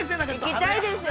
◆行きたいですよ。